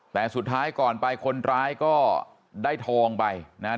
แต่สุดท้ายก่อนไปคนร้ายก็ได้ทองไปนะครับ